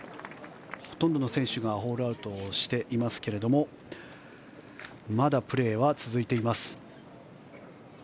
ほとんどの選手がホールアウトしていますがまだプレーは続いています。